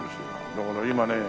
だから今ね